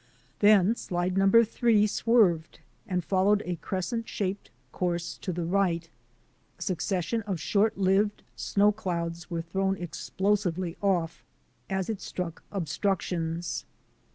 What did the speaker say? Then slide number three swerved and followed a crescent shaped course to the right. A succession of short 120 THE ADVENTURES OF A NATURE GUIDE lived snow clouds were thrown explosively off as it struck obstructions.